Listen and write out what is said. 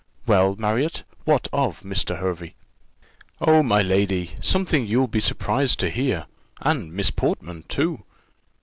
"Well, Marriott, what of Mr. Hervey?" "Oh, my lady, something you'll be surprised to hear, and Miss Portman, too.